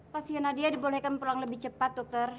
pasien nadia dibolehkan pulang lebih cepat dokter